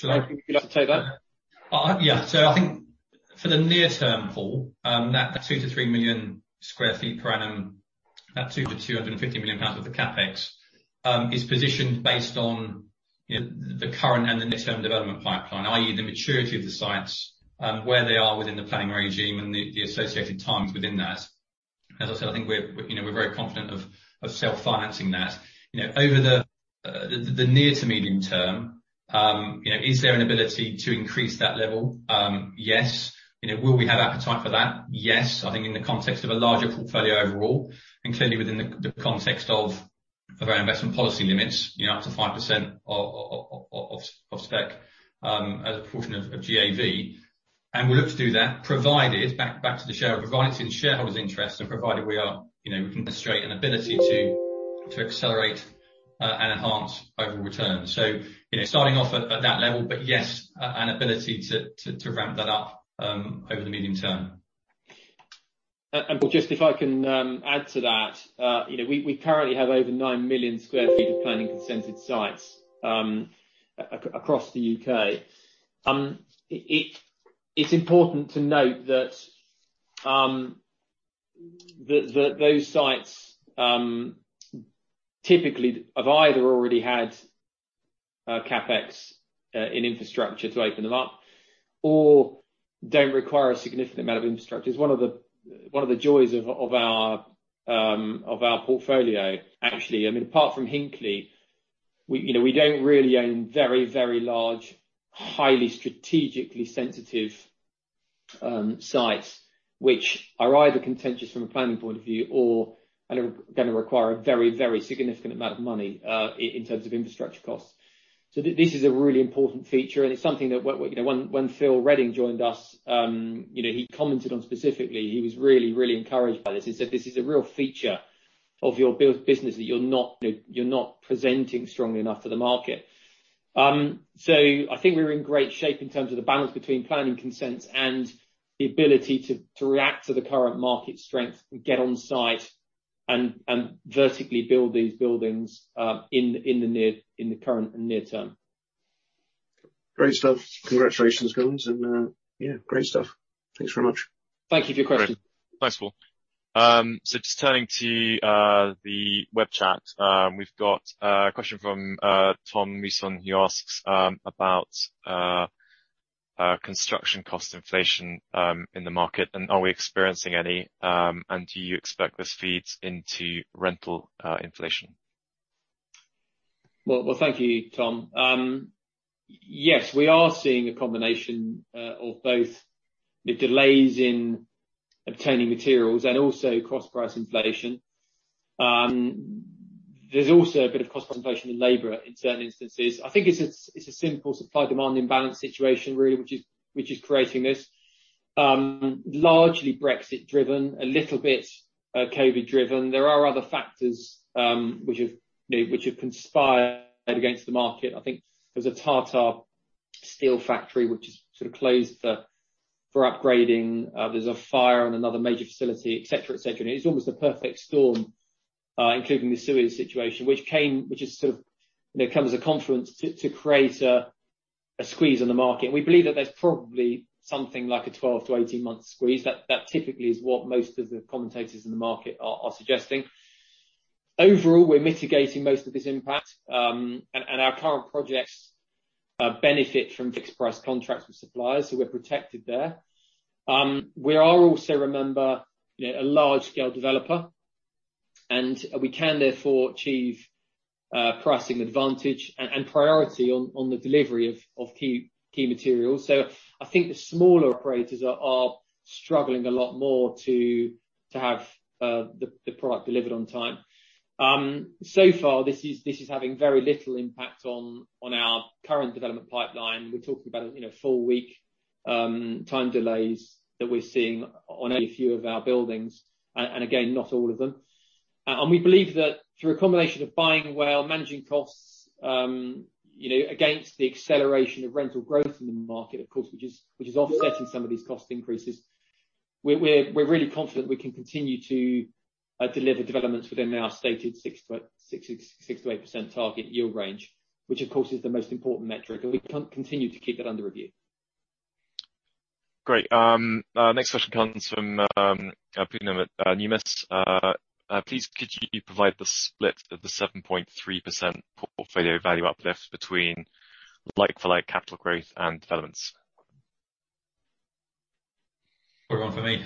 Frankie, would you like to take that? Yeah. I think for the near term, Paul, that 2 sq ft to 3 million sq ft per annum, that 2 million to 250 million pounds worth of CapEx, is positioned based on the current and the near-term development pipeline, i.e., the maturity of the sites, where they are within the planning regime and the associated times within that. As I said, I think we're very confident of self-financing that. Over the near to medium term, is there an ability to increase that level? Yes. Will we have appetite for that? Yes. I think in the context of a larger portfolio overall, and clearly within the context of our investment policy limits, up to 5% of stack, as a proportion of GAV. We look to do that provided, back to the share, provided it's in shareholders' interest and provided we can demonstrate an ability to accelerate and enhance overall return. Starting off at that level. Yes, an ability to ramp that up over the medium term. Paul, just if I can add to that. We currently have over 9 million sq ft of planning consented sites across the U.K. It's important to note that those sites typically have either already had CapEx in infrastructure to open them up or don't require a significant amount of infrastructure. It's one of the joys of our portfolio, actually. Apart from Hinckley, we don't really own very, very large, highly strategically sensitive sites, which are either contentious from a planning point of view or are going to require a very, very significant amount of money, in terms of infrastructure costs. This is a really important feature, and it's something that when Phil Redding joined us, he commented on specifically. He was really, really encouraged by this and said, this is a real feature of your business that you're not presenting strongly enough to the market. I think we're in great shape in terms of the balance between planning consents and the ability to react to the current market strength and get on site and vertically build these buildings in the current and near term. Great stuff. Congratulations, guys. Yeah, great stuff. Thanks very much. Thank you for your question. Thanks, Paul. Just turning to the web chat. We've got a question from Tom Musson who asks about construction cost inflation in the market, and are we experiencing any, and do you expect this feeds into rental inflation? Well, thank you, Tom. Yes, we are seeing a combination of both the delays in obtaining materials and also cost price inflation. There's also a bit of cost inflation in labor in certain instances. I think it's a simple supply-demand imbalance situation really, which is creating this. Largely Brexit driven, a little bit COVID driven. There are other factors which have conspired against the market. I think there's a Tata Steel factory which has sort of closed for upgrading. There's a fire in another major facility, et cetera. It's almost a perfect storm. Including the Suez situation, which has sort of come as a confluence to create a squeeze on the market. We believe that there's probably something like a 12-month to 18-month squeeze. That typically is what most of the commentators in the market are suggesting. Overall, we're mitigating most of this impact, and our current projects benefit from fixed price contracts with suppliers, so we're protected there. We are also, remember, a large-scale developer and we can therefore achieve pricing advantage and priority on the delivery of key materials. I think the smaller operators are struggling a lot more to have the product delivered on time. So far, this is having very little impact on our current development pipeline. We're talking about four-week time delays that we're seeing on a few of our buildings. Again, not all of them. We believe that through a combination of buying well, managing costs, against the acceleration of rental growth in the market, of course, which is offsetting some of these cost increases. We're really confident we can continue to deliver developments within our stated 6%-8% target yield range, which of course is the most important metric, and we continue to keep that under review. Great. Next question comes from Poonam at Numis. Please could you provide the split of the 7.3% portfolio value uplift between like-for-like capital growth and developments? Hold on for me.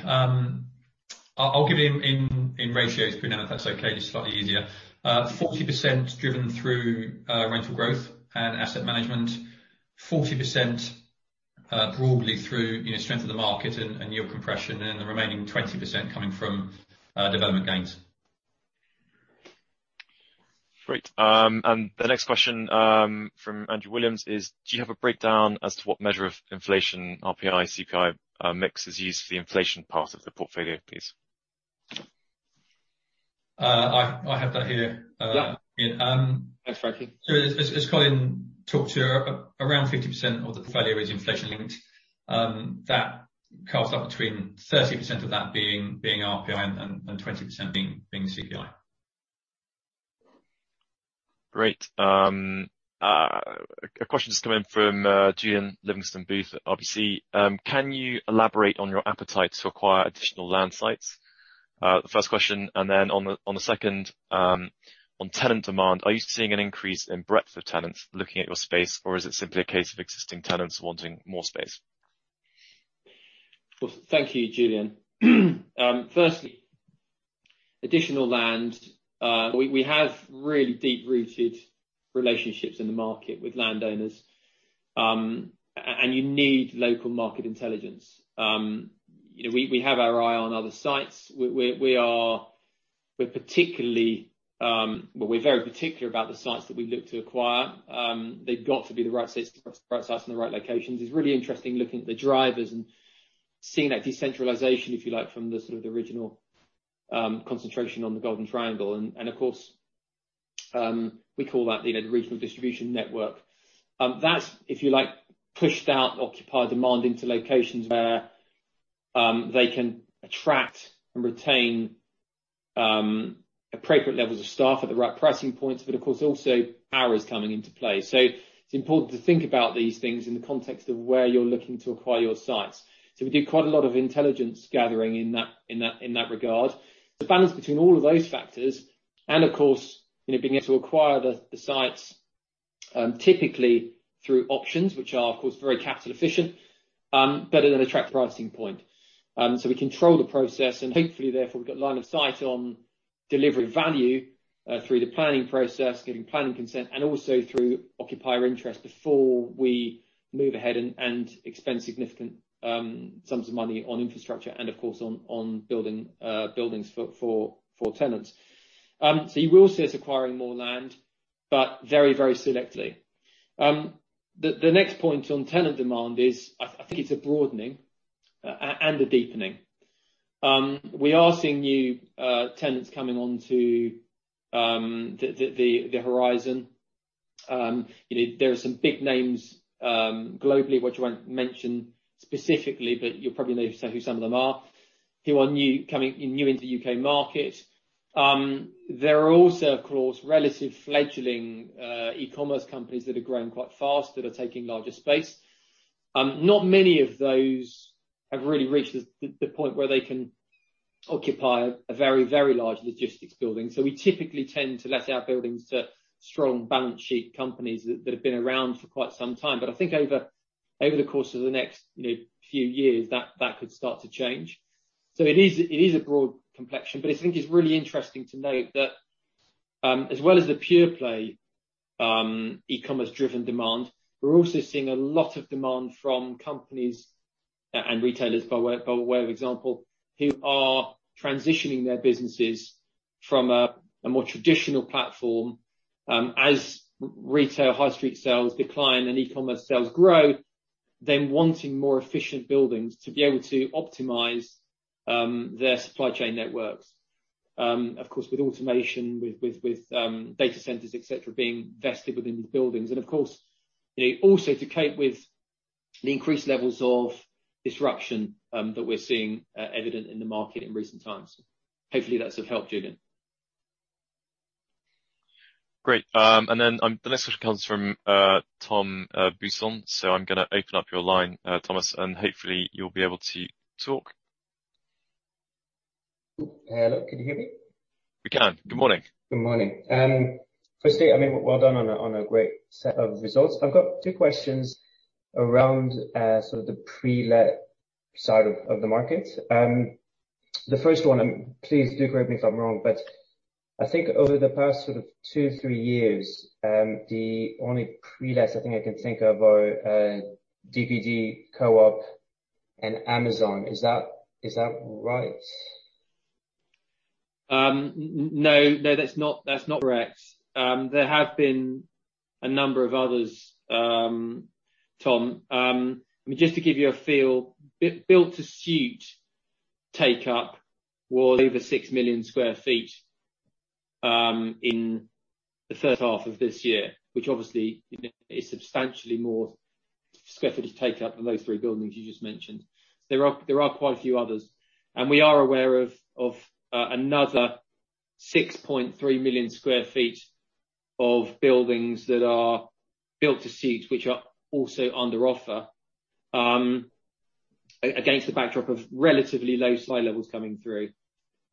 I'll give it in ratios, Poonam, if that's okay. Just slightly easier. 40% driven through rental growth and asset management. 40% broadly through strength of the market and yield compression, and then the remaining 20% coming from development gains. Great. The next question from Andrew Williams is, do you have a breakdown as to what measure of inflation, RPI, CPI, mix is used for the inflation part of the portfolio, please? I have that here. Yeah. Thanks, Frankie. As Colin talked to, around 50% of the portfolio is inflation linked. That carves up between 30% of that being RPI and 20% being CPI. Great. A question's come in from Julian Livingston-Booth of CM. Can you elaborate on your appetite to acquire additional land sites? The first question, then on the second, on tenant demand, are you seeing an increase in breadth of tenants looking at your space, or is it simply a case of existing tenants wanting more space? Well, thank you, Julian. Firstly, additional land. We have really deep-rooted relationships in the market with landowners, and you need local market intelligence. We have our eye on other sites. We're very particular about the sites that we look to acquire. They've got to be the right sites and the right locations. It's really interesting looking at the drivers and seeing that decentralization, if you like, from the sort of original concentration on the Golden Triangle. Of course, we call that the regional distribution network. That's, if you like, pushed out occupier demand into locations where they can attract and retain appropriate levels of staff at the right pricing points. Of course, also power is coming into play. It's important to think about these things in the context of where you're looking to acquire your sites. We do quite a lot of intelligence gathering in that regard. The balance between all of those factors and of course, being able to acquire the sites, typically through options, which are, of course, very capital efficient, but at an attractive pricing point. We control the process and hopefully therefore we've got line of sight on delivering value, through the planning process, getting planning consent, and also through occupier interest before we move ahead and expend significant sums of money on infrastructure and of course on buildings for tenants. You will see us acquiring more land, but very, very selectively. The next point on tenant demand is, I think it's a broadening and a deepening. We are seeing new tenants coming onto the horizon. There are some big names globally which I won't mention specifically, but you probably may have said who some of them are, who are new into the U.K. market. There are also, of course, relative fledgling e-commerce companies that are growing quite fast, that are taking larger space. Not many of those have really reached the point where they can occupy a very, very large logistics building. We typically tend to let our buildings to strong balance sheet companies that have been around for quite some time. I think over the course of the next few years, that could start to change. It is a broad complexion, but I think it's really interesting to note that, as well as the pure play e-commerce driven demand, we're also seeing a lot of demand from companies and retailers, by way of example, who are transitioning their businesses from a more traditional platform, as retail high street sales decline and E-commerce sales grow, they're wanting more efficient buildings to be able to optimize their supply chain networks. Of course, with automation, with data centers, et cetera, being vested within these buildings. Of course, also to cope with the increased levels of disruption that we're seeing evident in the market in recent times. Hopefully, that's of help, Julian. Great. The next question comes from Tom Musson. I'm going to open up your line, Thomas, and hopefully you'll be able to talk. Hello, can you hear me? We can. Good morning? Good morning. Firstly, well done on a great set of results. I've got two questions around sort of the pre-let side of the market. The first one, and please do correct me if I'm wrong, but I think over the past sort of two years, three years, the only pre-lets I think I can think of are DPD, Co-op and Amazon. Is that right? No, that's not correct. There have been a number of others, Tom. Just to give you a feel, built to suit take up was over 6 million sq ft in the first half of this year, which obviously is substantially more square footage take up than those three buildings you just mentioned. There are quite a few others. We are aware of another 6.3 million sq ft of buildings that are built to suit, which are also under offer, against the backdrop of relatively low supply levels coming through.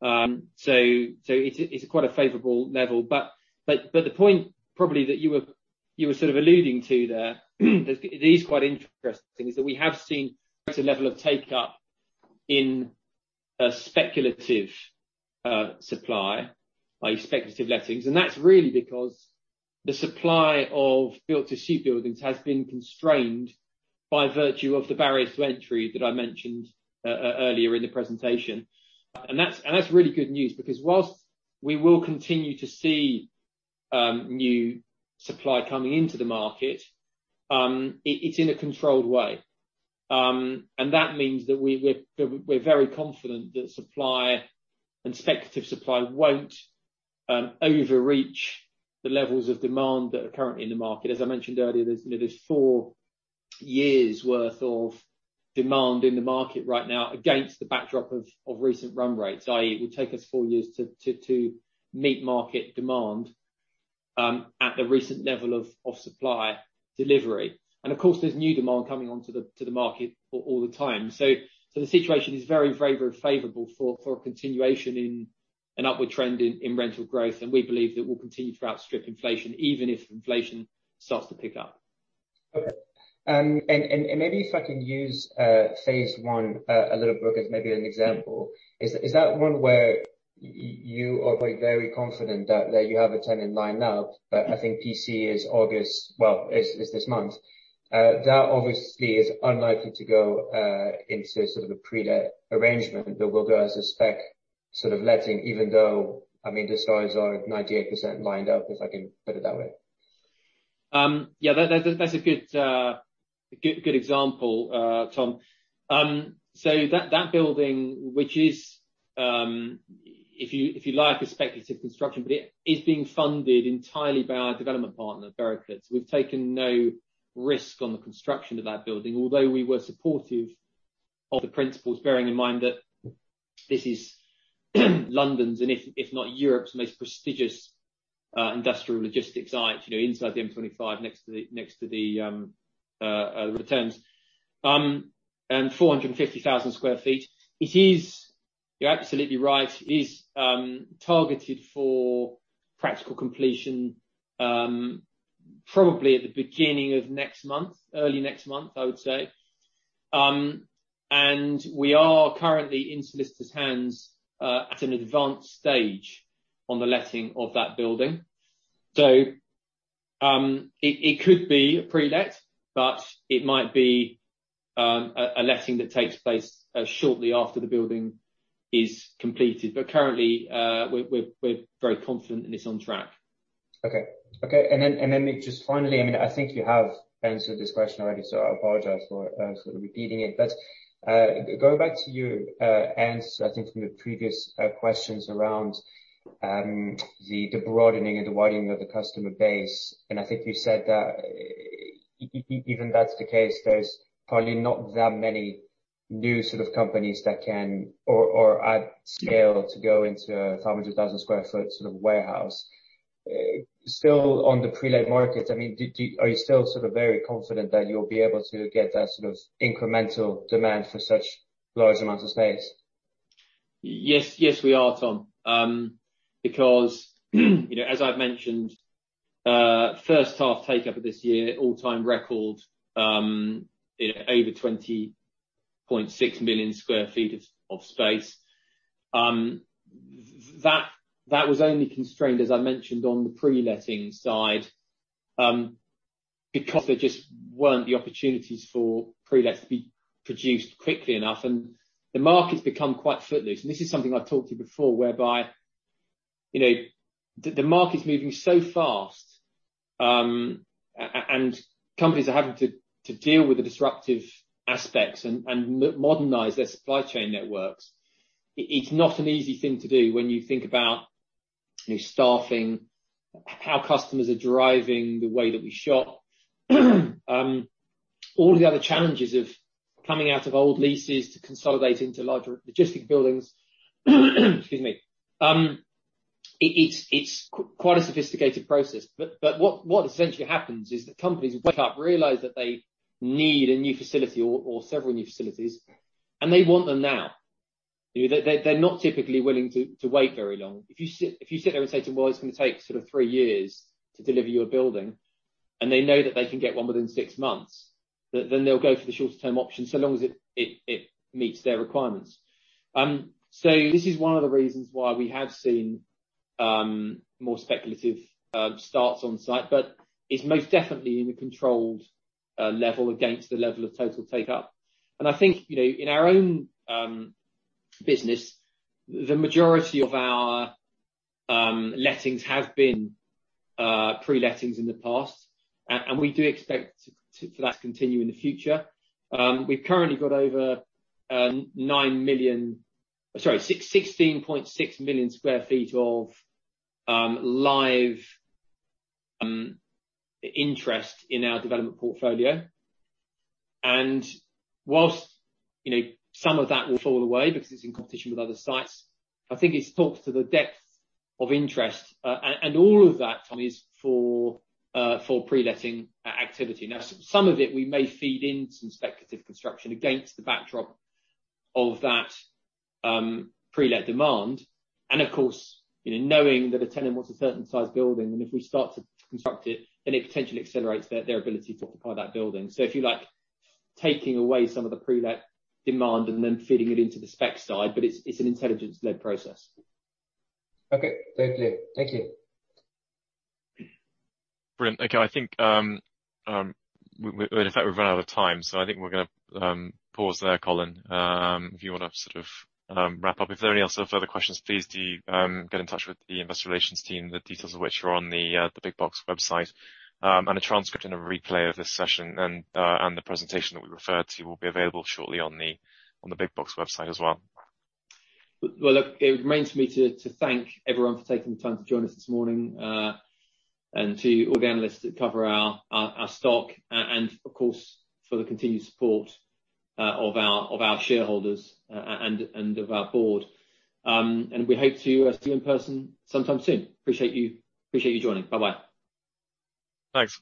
It's quite a favorable level. The point probably that you were sort of alluding to there, it is quite interesting, is that we have seen a level of take up in speculative supply, i.e. speculative lettings. That's really because the supply of built to suit buildings has been constrained by virtue of the barriers to entry that I mentioned earlier in the presentation. That's really good news because whilst we will continue to see new supply coming into the market, it's in a controlled way. That means that we're very confident that supply and speculative supply won't overreach the levels of demand that are currently in the market. As I mentioned earlier, there's four years worth of demand in the market right now against the backdrop of recent run rates, i.e. it would take us four years to meet market demand at the recent level of supply delivery. Of course, there's new demand coming onto the market all the time. The situation is very, very favorable for a continuation in an upward trend in rental growth, and we believe that will continue to outstrip inflation even if inflation starts to pick up. Okay. Maybe if I can use phase I a little bit as maybe an example. Is that one where you are very confident that you have a tenant lined up? I think PC is August, well, is this month. That obviously is unlikely to go into sort of a pre-let arrangement, but will go as a spec sort of letting, even though, the stores are 98% lined up, if I can put it that way. Yeah, that's a good example, Tom. That building, which is, if you like, a speculative construction, but it is being funded entirely by our development partner, Bericote. We've taken no risk on the construction of that building, although we were supportive of the principles, bearing in mind that this is London's, and if not Europe's, most prestigious industrial logistics site inside the M25, next to the Thames. 450,000 sq ft. You're absolutely right. It is targeted for practical completion probably at the beginning of next month, early next month, I would say. We are currently in solicitor's hands at an advanced stage on the letting of that building. It could be a pre-let, but it might be a letting that takes place shortly after the building is completed. Currently, we're very confident and it's on track. Okay. Just finally, I think you have answered this question already, so I apologize for sort of repeating it. Going back to your answer, I think from the previous questions around the broadening and the widening of the customer base, and I think you said that even that's the case, there's probably not that many new sort of companies that can or at scale to go into 500,000 sq ft sort of warehouse. Still on the pre-let market, are you still sort of very confident that you'll be able to get that sort of incremental demand for such large amounts of space? Yes, we are, Tom. As I've mentioned, first half take up of this year, all-time record over 20.6 million sq ft of space. That was only constrained, as I mentioned, on the pre-letting side, because there just weren't the opportunities for pre-lets to be produced quickly enough. The market's become quite footloose. This is something I've talked to you before, whereby, the market's moving so fast, and companies are having to deal with the disruptive aspects and modernize their supply chain networks. It's not an easy thing to do when you think about staffing. How customers are driving the way that we shop. All the other challenges of coming out of old leases to consolidate into larger logistic buildings. Excuse me. It's quite a sophisticated process, but what essentially happens is that companies wake up, realize that they need a new facility or several new facilities, and they want them now. They are not typically willing to wait very long. If you sit there and say to them, well, it's going to take sort of three years to deliver you a building, and they know that they can get one within six months, then they will go for the shorter term option, so long as it meets their requirements. This is one of the reasons why we have seen more speculative starts on site, but it's most definitely in a controlled level against the level of total take-up. I think, in our own business, the majority of our lettings have been pre-lettings in the past, and we do expect for that to continue in the future. We've currently got over 9 million, 16.6 million square feet of live interest in our development portfolio. Whilst some of that will fall away because it's in competition with other sites, I think it talks to the depth of interest. All of that, Tom, is for pre-letting activity. Some of it, we may feed in some speculative construction against the backdrop of that pre-let demand. Of course, knowing that a tenant wants a certain size building, and if we start to construct it potentially accelerates their ability to occupy that building. If you like, taking away some of the pre-let demand and then feeding it into the spec side, it's an intelligence-led process. Okay. Very clear. Thank you. Brilliant. Okay. I think, in fact, we've run out of time, so I think we're going to pause there, Colin. If you want to sort of wrap up. If there are any further questions, please do get in touch with the Investor Relations team, the details of which are on the Big Box website. A transcript and a replay of this session and the presentation that we referred to will be available shortly on the Big Box website as well. Well, look, it remains for me to thank everyone for taking the time to join us this morning, and to all the analysts that cover our stock, and of course, for the continued support of our shareholders and of our board. We hope to see you in person sometime soon. Appreciate you joining. Bye-bye. Thanks.